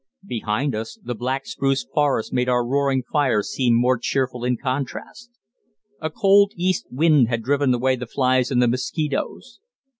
Behind us the black spruce forest made our roaring fire seem more cheerful in contrast. A cold east wind had driven away the flies and the mosquitoes.